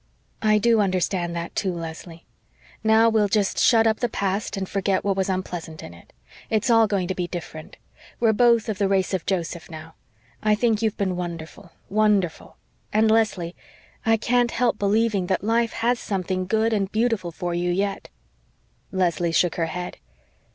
"I DO understand that, too, Leslie. Now, we'll just shut up the past and forget what was unpleasant in it. It's all going to be different. We're both of the race of Joseph now. I think you've been wonderful wonderful. And, Leslie, I can't help believing that life has something good and beautiful for you yet." Leslie shook her head.